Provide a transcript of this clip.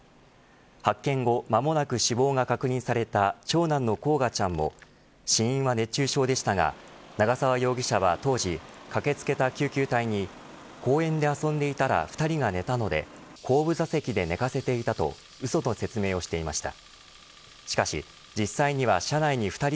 発見後間もなく死亡が確認された長男の煌翔ちゃんも死因は熱中症でしたが長沢容疑者は当時駆け付けた救急隊に公園で遊んでいたら２人が寝たので後部座席で寝かせていたとうその説明をしていました。